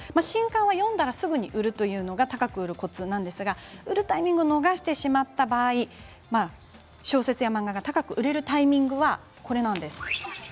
新刊は読んだらすぐに売るということが高く売るコツなんですが売るタイミングを逃してしまった場合小説や漫画が高く売れるタイミングです。